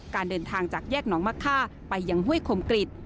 การเดินทางจากแยกหนองมะค่าไปยังห้วยคมกลิด